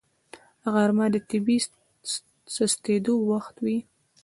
غرمه د طبیعي سستېدو وخت وي